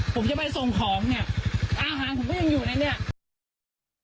ผมจะไปส่งของเนี่ยอาหารผมก็ยังอยู่นะเนี่ย